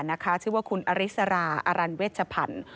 ชื่อว่าคุณอริสราอรันเวชพันธ์